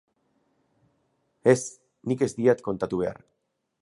Ez, nik ez diat kontatu behar.